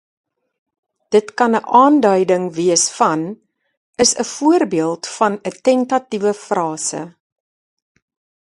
Dit kan 'n aanduiding wees van... is 'n voorbeeld van 'n tentatiewe frase.